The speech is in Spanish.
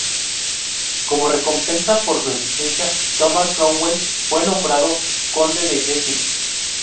Como recompensa por su eficiencia, Thomas Cromwell fue nombrado Conde de Essex.